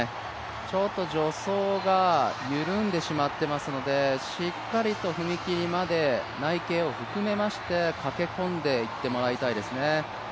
ちょっと助走が緩んでしまっていますのでしっかりと踏み切りまで内傾を含めまして駆け込んでいってもらいたいですね。